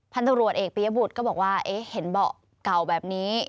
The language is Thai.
พันธุรกิจเอกปียบุตรก็บอกว่าเอ๊ะเห็นเบาะเก่าแบบนี้